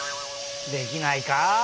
できないかあ。